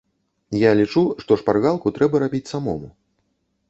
Я лічу, што шпаргалку трэба рабіць самому.